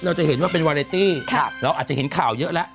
เราจะเห็นว่าเป็นวาเรตี้เราอาจจะเห็นข่าวเยอะแล้ว